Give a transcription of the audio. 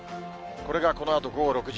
これがこのあと午後６時。